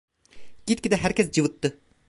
Gitgide herkes cıvıttı.